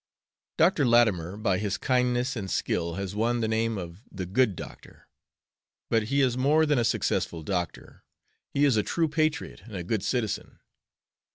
Doctor Latimer by his kindness and skill has won the name of the "Good Doctor." But he is more than a successful doctor; he is a true patriot and a good citizen.